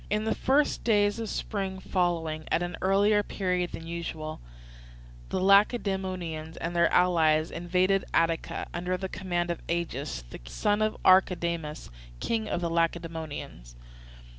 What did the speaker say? In the first days of the spring following, at an earlier period than usual, the Lacedaemonians and their allies invaded Attica, under the command of Agis, son of Archidamus, king of the Lacedaemonians.